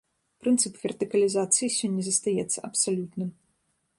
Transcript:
Прынцып вертыкалізацыі сёння застаецца абсалютным.